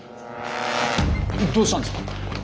どうしたんですか？